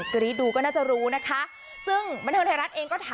กรี๊บดีใจหันฝันอ่ะ